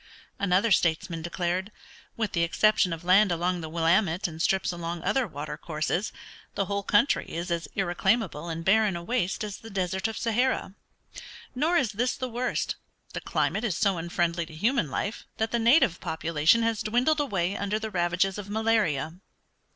Another statesman declared, "With the exception of land along the Willamette and strips along other water courses, the whole country is as irreclaimable and barren a waste as the Desert of Sahara. Nor is this the worst; the climate is so unfriendly to human life that the native population has dwindled away under the ravages of malaria."